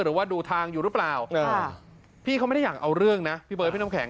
หรือว่าดูทางอยู่หรือเปล่าพี่เขาไม่ได้อยากเอาเรื่องนะพี่เบิร์พี่น้ำแข